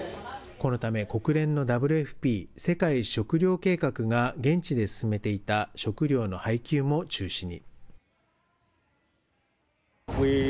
このため国連のＷＦＰ・世界食糧計画が現地で進めていた食料の配給も中止に。